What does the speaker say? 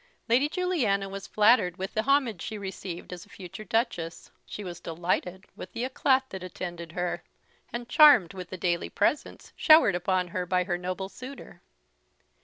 Lady Juliana was flattered with the homage she received as a future Duchess; she was delighted with the éclat that attended her, and charmed with the daily presents showered upon her by her noble suitor.